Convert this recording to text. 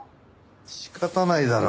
仕方ないだろ。